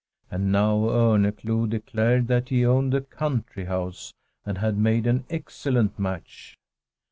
And now Orneclou declared that he owned a country house, and had made an excellent match.